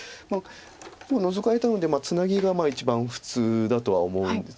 もうノゾかれたのでツナギが一番普通だとは思うんです。